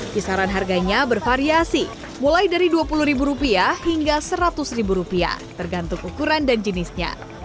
kisaran harganya bervariasi mulai dari dua puluh ribu rupiah hingga seratus ribu rupiah tergantung ukuran dan jenisnya